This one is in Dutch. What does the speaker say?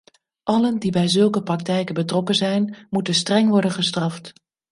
Allen die bij zulke praktijken betrokken zijn, moeten streng worden gestraft.